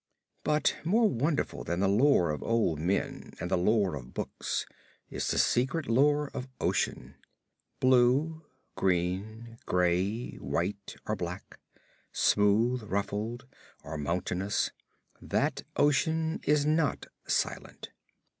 But more wonderful than the lore of old men and the lore of books is the secret lore of ocean. Blue, green, gray, white or black; smooth, ruffled, or mountainous; that ocean is not silent.